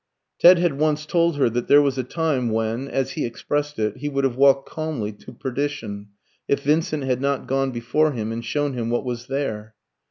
Ted had once told her that there was a time when, as he expressed it, he would have walked calmly to perdition, if Vincent had not gone before him and shown him what was there.